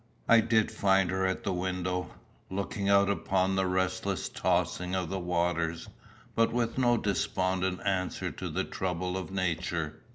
I did find her at the window, looking out upon the restless tossing of the waters, but with no despondent answer to the trouble of nature.